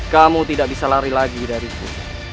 kamu tidak bisa lari lagi dari aku